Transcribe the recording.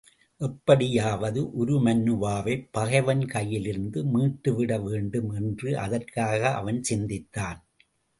எப்படியாவது உருமண்ணுவாவைப் பகைவன் கையிலிருந்து மீட்டுவிட வேண்டும் என்றும் அதற்காக அவன் சிந்தித்தான்.